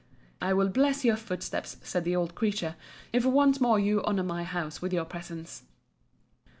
I will bless your footsteps, said the old creature, if once more you honour my house with your presence.